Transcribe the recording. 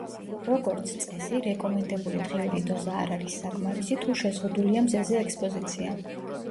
როგორც წესი, რეკომენდებული დღიური დოზა არ არის საკმარისი თუ შეზღუდულია მზეზე ექსპოზიცია.